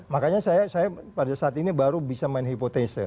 makanya saya pada saat ini baru bisa main hipotese